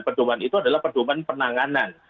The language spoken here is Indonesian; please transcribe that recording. pedoman itu adalah pedoman penanganan